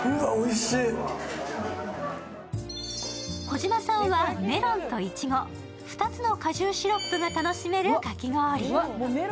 児嶋さんはメロンといちご、２つの果汁シロップが楽しめるかき氷。